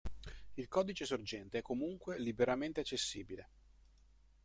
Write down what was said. Il codice sorgente è comunque liberamente accessibile.